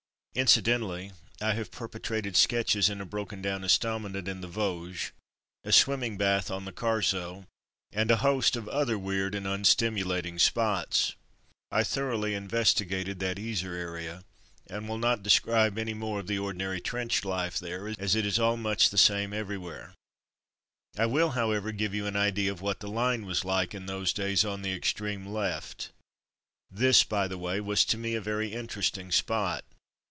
Incidentally I have perpetrated sketches in a broken down estaminet in the Vosges, a swimming bath on the Carso, and a host of other weird and unstimulating spots. I thoroughly investigated that Yser area, and will not describe any more of the ordi nary trench life there, as it is all much the ^™ ti*!:^!*^:t: The Spahi: the most picturesque man in the war. Methods of Work 177 same everywhere. I will, however, give you an idea of what the line was like in those days on the extreme left. This, by the way. U A ^ ^''^ciJGj 'aid '• was to me a very interesting spot.